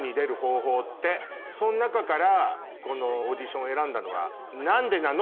その中からこのオーディションを選んだのは何でなの？